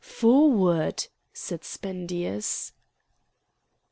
"Forward!" said Spendius.